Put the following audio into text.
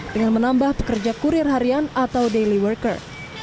dengan menambah pekerja kurir harian atau daily worker